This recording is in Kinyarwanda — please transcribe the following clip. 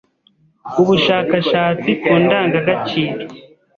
ubushakashatsi ku ndangagaciro